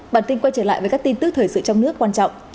bản tin quay trở lại với các tin tức thời sự trong nước quan trọng